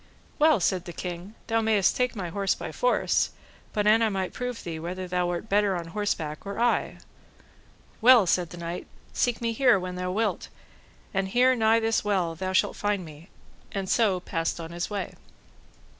Well, said the king, thou mayst take my horse by force, but an I might prove thee whether thou were better on horseback or I.—Well, said the knight, seek me here when thou wilt, and here nigh this well thou shalt find me, and so passed on his way.